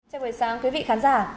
xin chào quý vị khán giả